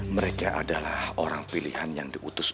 mereka adalah orang pilihan yang diutus